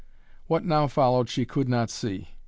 What now followed she could not see.